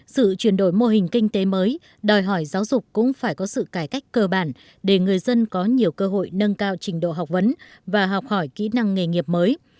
sự chuyển đổi mô hình kinh tế mới đòi hỏi giáo dục cũng phải có sự cải cách cơ bản để người dân có nhiều cơ hội nâng cao trình độ học vấn và học hỏi kỹ năng nghề nghiệp mới